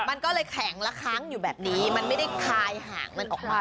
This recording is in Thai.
มันก็เลยแข็งและค้างอยู่แบบนี้มันไม่ได้คายหางมันออกมา